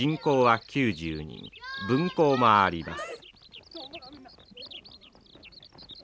分校もあります。